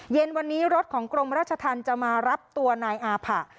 เย็นวันนี้รถของกรมราชธรรมจะมารับตัวนายอาผะ